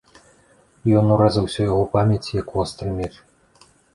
Ён урэзаўся ў яго памяць, як востры меч.